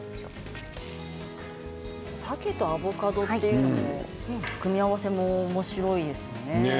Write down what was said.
さけとアボカドという組み合わせもおもしろいですね。